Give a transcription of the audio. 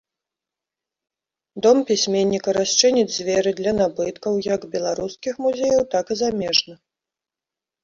Дом пісьменніка расчыніць дзверы для набыткаў як беларускіх музеяў, так і замежных.